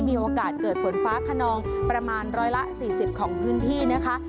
มีโอกาสเกิดฝนฟ้าขนองประมาณ๑๔๐ของพื้นที่นะคะ